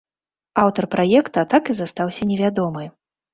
Аўтар праекта так і застаўся невядомы.